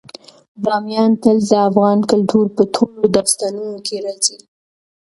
بامیان تل د افغان کلتور په ټولو داستانونو کې راځي.